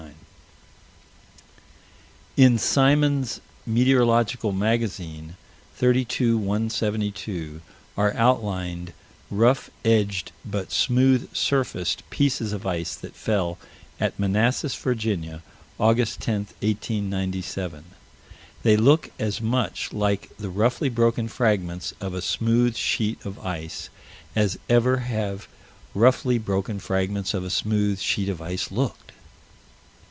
In Symons' Meteorological Magazine, 32 172, are outlined rough edged but smooth surfaced pieces of ice that fell at Manassas, Virginia, Aug. 10, 1897. They look as much like the roughly broken fragments of a smooth sheet of ice as ever have roughly broken fragments of a smooth sheet of ice looked.